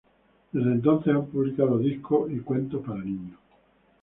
Desde entonces ha publicado discos y cuentos para niños.